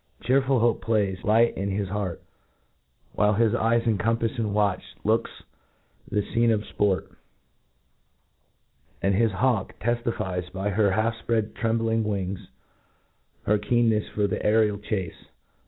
Chearful hope plays, light in his heart, whHe his eyes encompafs with watchful looks the fcene of fport i and his hawk teftifies, by her half fpread trembling wings, her keen nefs for the aerial chace.